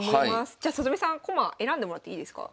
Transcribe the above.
じゃ里見さん駒選んでもらっていいですか？